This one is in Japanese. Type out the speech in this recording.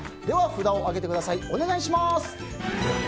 札を上げてくださいお願いします。